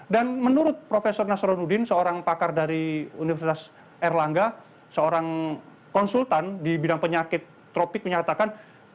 dan menurut prof nasrulluddin seorang pakar dari universitas erlangga seorang konsultan di bidang penyakit tropik menyatakan